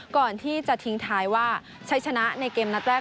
ก่อนที่จะทิ้งท้ายว่าใช้ชนะในเกมนัดแรก